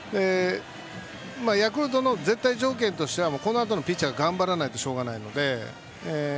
ヤクルトの絶対条件としてはこのあとのピッチャーが頑張らないとしょうがないので。